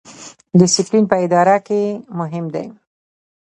ډیسپلین په اداره کې مهم دی